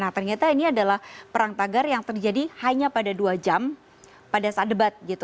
nah ternyata ini adalah perang tagar yang terjadi hanya pada dua jam pada saat debat gitu